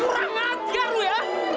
kurang ngajar lu ya